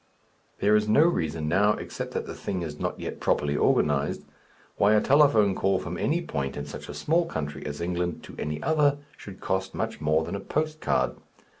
There is no reason now, except that the thing is not yet properly organized, why a telephone call from any point in such a small country as England to any other should cost much more than a postcard.